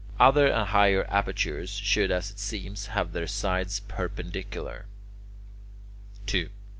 Other and higher apertures should, as it seems, have their sides perpendicular. [Note 4: Codd.